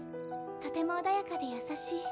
とても穏やかで優しい。